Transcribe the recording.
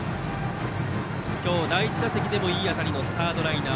今日第１打席でもいい当たりのサードライナー。